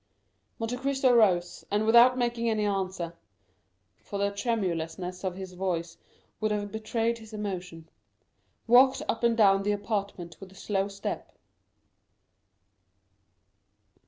Monte Cristo rose, and without making any answer (for the tremulousness of his voice would have betrayed his emotion) walked up and down the apartment with a slow step.